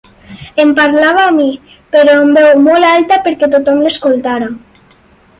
Em parlava a mi, però en veu molt alta perquè tothom l’escoltara.